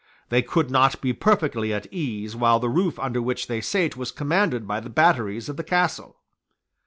They could not be perfectly at ease while the roof under which they sate was commanded by the batteries of the Castle.